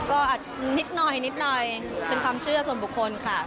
ก็นิดหน่อยเป็นความเชื่อส่วนบุคคลค่ะ